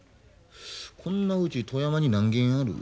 こんなうち富山に何軒ある？